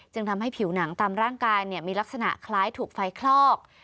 จึงทำให้ผิวหนังตามร่างกายมีลักษณะคล้ายถูกไฟคลอก